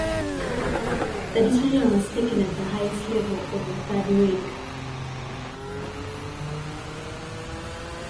The decision was taken at the highest level of the Third Reich.